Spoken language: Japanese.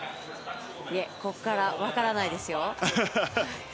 いえ、ここから分からないですよ！